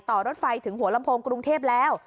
รถไฟถึงหัวลำโพงกรุงเทพแล้ว